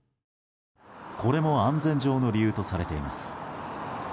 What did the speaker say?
これも安全上の理由とされています。